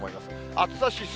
暑さ指数。